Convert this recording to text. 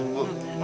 ini satu lagi pak